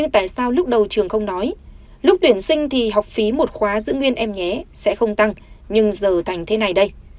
tại sao lúc đầu trường không nói lúc tuyển sinh thì học phí một khóa giữ nguyên em nhé sẽ không tăng nhưng giờ thành thế này đây